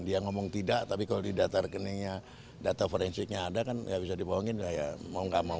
dia ngomong tidak tapi kalau di data rekeningnya data forensiknya ada kan ya bisa dibohongin lah ya mau nggak mau